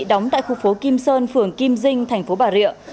đóng tại khu phố kim sơn phường kim dinh tp bà rịa